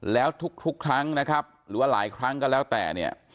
แล้วทุกครั้งนะครับหรือว่าหลายครั้งก็แล้วแต่เนี่ย